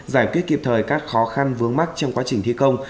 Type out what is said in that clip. giải quyết kịp thời các khó khăn vướng mắt trong quá trình thi công